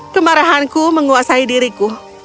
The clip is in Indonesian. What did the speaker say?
kemarahanku menguasai diriku